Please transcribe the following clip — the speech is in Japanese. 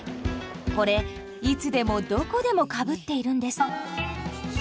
これいつでもどこでもかぶっているんです。